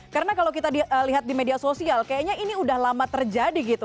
karena kalau kita lihat di media sosial kayaknya ini sudah lama terjadi gitu